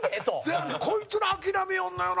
こいつら諦めよんのよな。